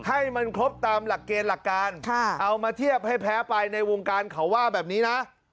ให้มันครบตามหลักเกณฑ์หลักการเอามาเทียบให้แพ้ไปในวงการเขาว่าแบบนี้นะ